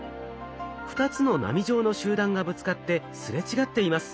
２つの波状の集団がぶつかってすれ違っています。